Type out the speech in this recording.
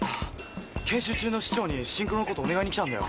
研修中の市長にシンクロのことお願いに来たんだよ。